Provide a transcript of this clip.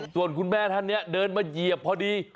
ส่วนคุณแม่ท่านนี้เดินมาเหยียบพอดี